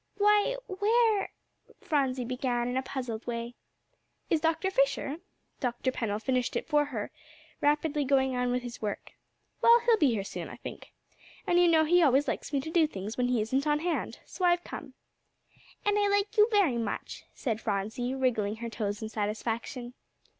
"Why, where " Phronsie began in a puzzled way. "Is Dr. Fisher?" Dr. Pennell finished it for her, rapidly going on with his work. "Well, he'll be here soon, I think. And you know he always likes me to do things when he isn't on hand. So I've come." "And I like you very much," said Phronsie, wriggling her toes in satisfaction.